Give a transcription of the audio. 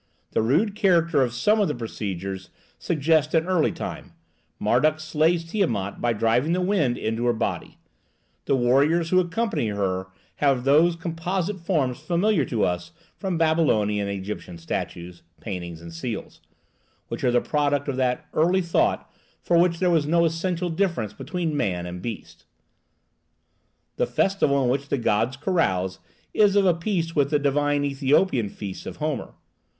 The rude character of some of the procedures suggests an early time: Marduk slays Tiamat by driving the wind into her body; the warriors who accompany her have those composite forms familiar to us from Babylonian and Egyptian statues, paintings, and seals, which are the product of that early thought for which there was no essential difference between man and beast. The festival in which the gods carouse is of a piece with the divine Ethiopian feasts of Homer.